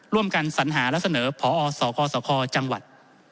ร่วมกันสัญหารักเสนอผอส่อคอจังหวัด